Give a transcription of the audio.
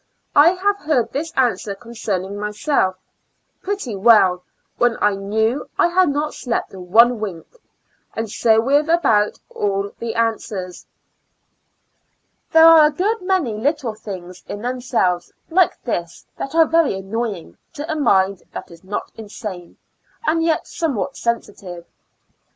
I have heard this answer concerning myself, ' ^jgretty well,^^ when I knew I had not ' IN A L UNA TIC A STL mi. \4.*J slept one wink; and so with about all the answers. There are a good many little things in themselyes, lils:e this, that are very annoy ing to a mind that is not insane, and yet somewhat sensitive.